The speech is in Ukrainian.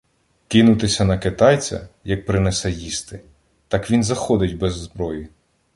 Кинутися на китайця, як принесе їсти, так він заходить без зброї.